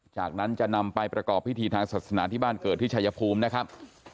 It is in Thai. จากนั้นจะนำไปประกอบพิธีทางศาสนาที่บ้านเกิดที่ชายภูมินะครับ